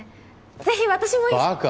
ぜひ私も一緒にバカ！